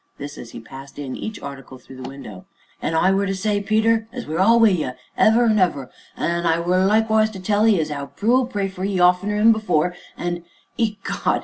This as he passed in each article through the window. "An' I were to say, Peter, as we are all wi' you ever an' ever, an' I were likewise to tell 'ee as 'ow Prue'll pray for 'ee oftener than before, an' ecod!"